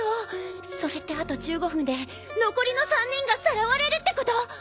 それってあと１５分で残りの３人がさらわれるってこと？